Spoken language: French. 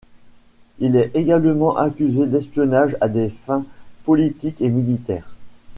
Il est également accusé d'espionnage à des fins politiques et militaires.